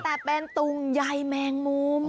แต่เป็นตุงใยแมงมุม